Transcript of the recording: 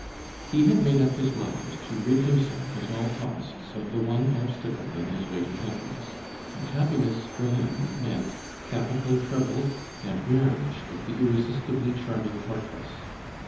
He had made up his mind to rid himself at all costs of the one obstacle in his way to happiness, and happiness for him meant capital trebled and marriage with the irresistibly charming portress.